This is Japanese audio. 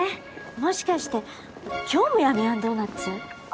もしかして今日も闇あんドーナツ？